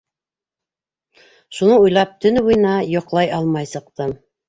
Шуны уйлап, төнө буйына йоҡлай алмай сыҡтым.